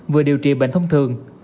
vừa điều trị bệnh thông thường